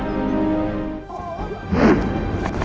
aku mau ke kanjeng itu